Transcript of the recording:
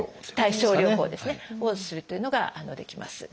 対症療法をするというのができます。